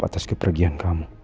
atas kepergian kamu